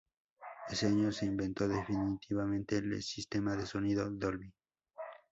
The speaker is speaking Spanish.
Ese año se inventó definitivamente el sistema de sonido Dolby.